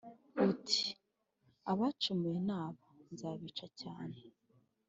uti: abacumuye ni aba, nzabica cyane.